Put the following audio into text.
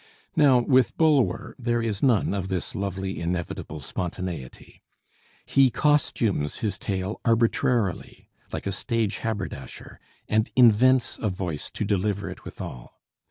Now, with Bulwer there is none of this lovely inevitable spontaneity. He costumes his tale arbitrarily, like a stage haberdasher, and invents a voice to deliver it withal.